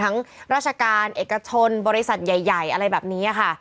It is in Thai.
ราชการเอกชนบริษัทใหญ่อะไรแบบนี้ค่ะ